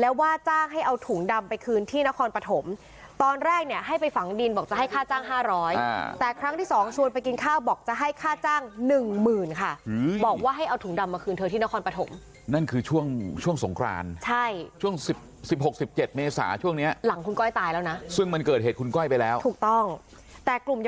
แล้วว่าจ้างให้เอาถุงดำไปคืนที่นครปฐมตอนแรกเนี่ยให้ไปฝังดินบอกจะให้ค่าจ้าง๕๐๐แต่ครั้งที่สองชวนไปกินข้าวบอกจะให้ค่าจ้างหนึ่งหมื่นค่ะบอกว่าให้เอาถุงดำมาคืนเธอที่นครปฐมนั่นคือช่วงช่วงสงครานใช่ช่วงสิบหกสิบเจ็ดเมษาช่วงเนี้ยหลังคุณก้อยตายแล้วนะซึ่งมันเกิดเหตุคุณก้อยไปแล้วถูกต้องแต่กลุ่มย